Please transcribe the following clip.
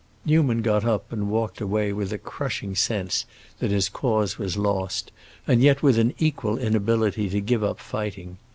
Newman got up and walked away with a crushing sense that his cause was lost, and yet with an equal inability to give up fighting.